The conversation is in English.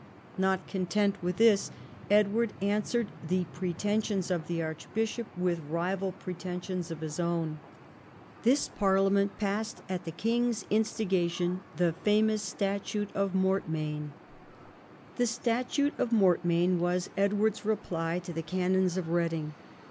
Not content Avith this, Edward answered the pretensions of the archbishop with rival pretensions of his own. This parliament passed at the king's instiga tion the famous Statute of Mortmain. The Statute of Mortmain was Edward's reply to the Canons of Reading.